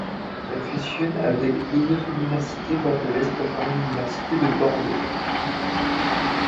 Elle fusionne le avec deux autres universités bordelaises pour former l'université de Bordeaux.